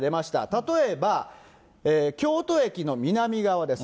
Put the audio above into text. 例えば、京都駅の南側です。